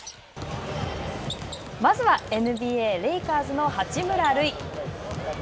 まずはＮＢＡ、レイカーズの八村塁。